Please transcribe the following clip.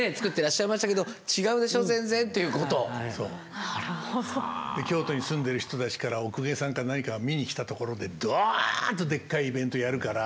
はいはい今度京都に住んでる人たちからお公家さんから何かが見に来たところでドーンとでっかいイベントやるから。